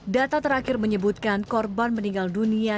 data terakhir menyebutkan korban meninggal dunia